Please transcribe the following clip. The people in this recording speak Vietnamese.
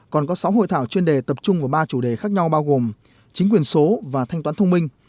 còn có sáu hội thảo chuyên đề tập trung vào ba chủ đề khác nhau bao gồm chính quyền số và thanh toán thông minh